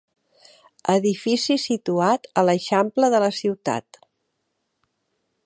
Edifici situat a l'eixample de la ciutat.